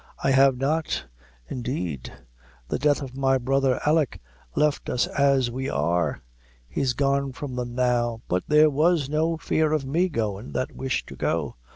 "I have not, indeed; the death of my brother Alick left us as we are; he's gone from them now; but there was no fear of me goin' that wished to go.